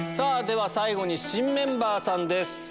では最後に新メンバーさんです。